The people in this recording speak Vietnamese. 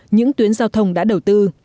những tuyến giao thông đã đầu tư